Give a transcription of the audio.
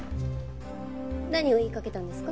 何を言いかけたんですか？